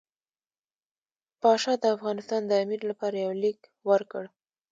پاشا د افغانستان د امیر لپاره یو لیک ورکړ.